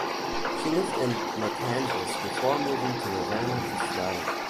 She lived in Matanzas before moving to Havana to study.